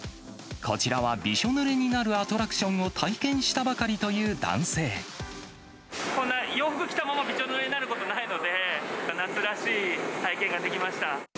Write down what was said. こちらはびしょぬれになるアトラクションを体験したばかりというこんな洋服着たまま、びちょぬれになることないので、夏らしい体験ができました。